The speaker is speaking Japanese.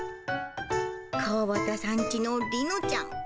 川端さんちのリノちゃん。